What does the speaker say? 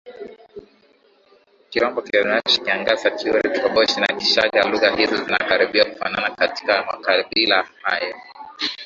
Kirombo Kioldimoshi Kingassa Kiuru Kikibosho na KisihaLugha hizo zinakaribia kufanana kadiri makabila hayo